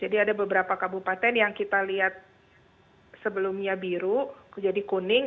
jadi ada beberapa kabupaten yang kita lihat sebelumnya biru jadi kuning